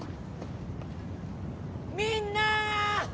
みんなー！